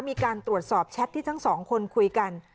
มีการตรวจสอบแชทที่ทั้งสองคนคุยกัน